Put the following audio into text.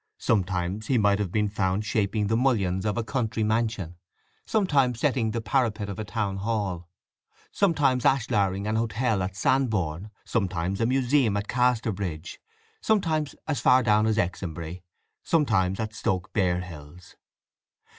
Sometimes he might have been found shaping the mullions of a country mansion, sometimes setting the parapet of a town hall, sometimes ashlaring an hotel at Sandbourne, sometimes a museum at Casterbridge, sometimes as far down as Exonbury, sometimes at Stoke Barehills.